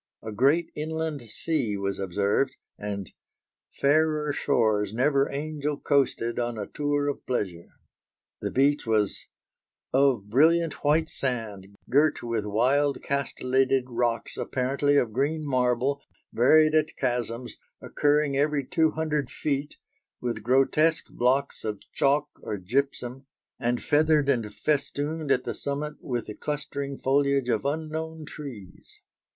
A great inland sea was observed, and "fairer shores never angel coasted on a tour of pleasure." The beach was "of brilliant white sand, girt with wild castellated rocks apparently of green marble, varied at chasms, occurring every two hundred feet, with grotesque blocks of chalk or gypsum, and feathered and festooned at the summit with the clustering foliage of unknown trees."